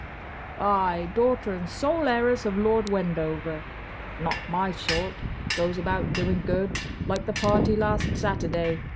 "Ay—daughter and sole heiress of Lord Wendover. Not my sort. Goes about doing good—like the party last Saturday.